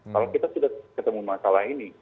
kalau kita sudah ketemu masalah ini